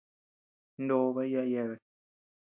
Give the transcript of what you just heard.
Nooba yaʼa yeabea.